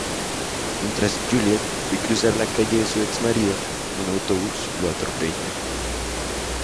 Mientras Juliet ve cruzar la calle a su ex-marido, un autobús lo atropella.